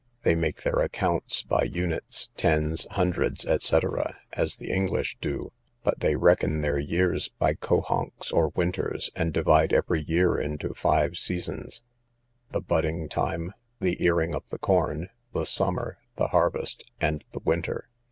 They make their accounts by units, tens, hundreds, &c., as the English do; but they reckon their years by cohonks, or winters, and divide every year into five seasons; the budding time, the earing of the corn, the summer, the harvest, and the winter.